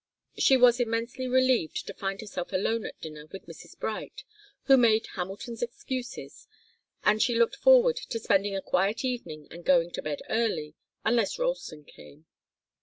She was immensely relieved to find herself alone at dinner with Mrs. Bright, who made Hamilton's excuses, and she looked forward to spending a quiet evening and going to bed early, unless Ralston came.